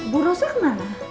bu rosa kemana